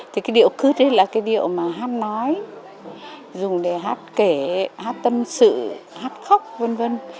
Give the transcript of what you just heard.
thì cái điệu cướt ấy là cái điệu mà hát nói dùng để hát kể hát tâm sự hát khóc v v